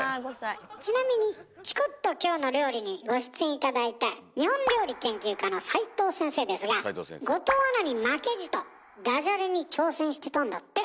ちなみに「チコっときょうの料理」にご出演頂いた日本料理研究家の斉藤先生ですが後藤アナに負けじとダジャレに挑戦してたんだって。